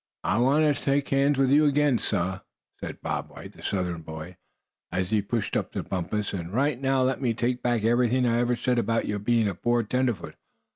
"I want to shake hands with you again, suh," said Bob White, the Southern boy, as he pushed up to Bumpus. "And right now let me take back everything I've ever said about your being a poor tenderfoot.